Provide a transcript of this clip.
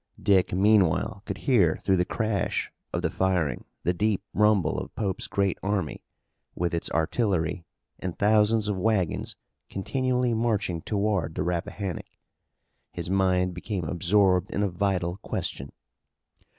Dick meanwhile could hear through the crash of the firing the deep rumble of Pope's great army with its artillery and thousands of wagons continually marching toward the Rappahannock. His mind became absorbed in a vital question.